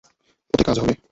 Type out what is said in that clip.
ওতে কাজ হবে।